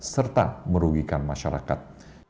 serta merugikan masyarakat